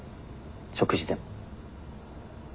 食事でも。